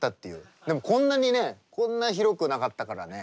でもこんなにねこんな広くなかったからね。